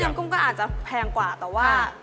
กุ้งก็อาจจะแพงกว่าแต่ว่า